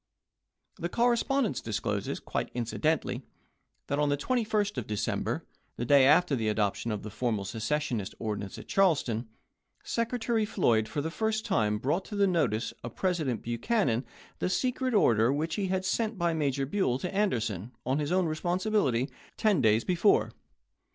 The correspondence discloses, quite incidentally, that on the 21st of December, the day after the i860. adoption of the formal " Secession Ordinance " at Charleston, Secretary Floyd for the first time brought to the notice of President Buchanan the 5^nm?fc secret order which he had sent by Major Buell ^Xiseo. to Anderson, on his own responsibility, ten days wi.,^. u?1, before.